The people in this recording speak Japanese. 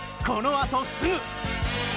このあとすぐ！